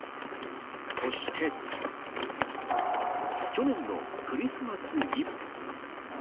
そして去年のクリスマスイブ。